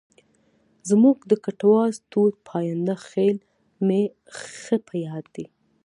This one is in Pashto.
زموږ د کټواز ټوټ پاینده خېل مې ښه په یاد دی.